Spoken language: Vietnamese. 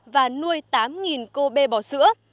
và nuôi tám cô bê bò sữa